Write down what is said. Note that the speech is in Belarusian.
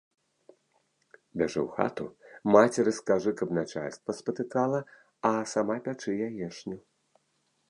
Бяжы ў хату, мацеры скажы, каб начальства спатыкала, а сама пячы яешню.